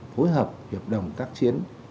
phối hợp hiệp đồng các chiến